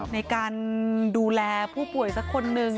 ในการดูแลผู้ป่วยสักคนนึง